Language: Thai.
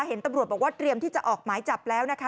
เห็นตำรวจบอกว่าเตรียมที่จะออกหมายจับแล้วนะคะ